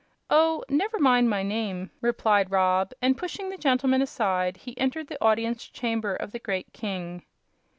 "Oh, never mind my name," replied Rob, and pushing the gentleman aside he entered the audience chamber of the great king.